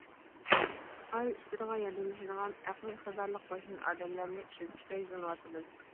ئائىلە ئىشلىرىغا ياردەملىشىدىغان ئەقلىي ئىقتىدارلىق ماشىنا ئادەملەرنى ئىشلىتىشكە يۈزلىنىۋاتىمىز.